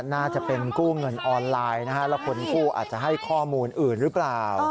น่าจะเป็นกู้เงินออนไลน์นะฮะแล้วคนกู้อาจจะให้ข้อมูลอื่นหรือเปล่า